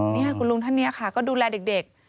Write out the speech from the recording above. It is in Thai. นี่คุณลุงท่านนี้ค่ะก็ดูแลเด็ก